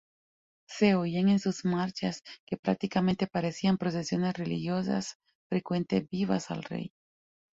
Se oían en sus marchas, que prácticamente parecían procesiones religiosas, frecuentes "vivas" al rey.